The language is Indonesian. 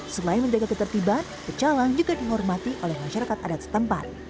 selain menjaga ketertiban pecalang juga dihormati oleh masyarakat adat setempat